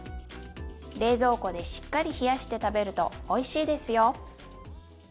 冷蔵庫でしっかり冷やして食べるとおいしいですよ。